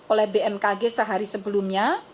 oleh bmkg sehari sebelumnya